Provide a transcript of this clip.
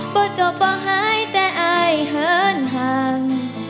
่จบบ่อหายแต่อายเหินห่าง